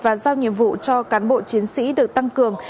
và giao nhiệm vụ cho cán bộ chiến sĩ được tăng cường